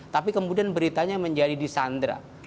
tapi kemudian beritanya menjadi di sandra